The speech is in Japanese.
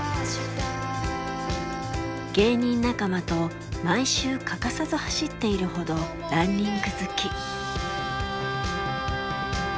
芸人仲間と毎週欠かさず走っているほどランニング好き。